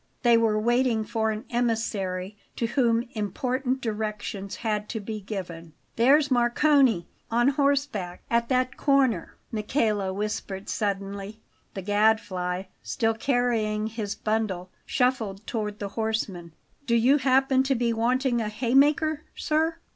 They were waiting for an emissary, to whom important directions had to be given. "There's Marcone, on horseback, at that corner," Michele whispered suddenly. The Gadfly, still carrying his bundle, shuffled towards the horseman. "Do you happen to be wanting a hay maker, sir?"